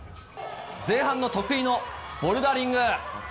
前半の得意のボルダリング。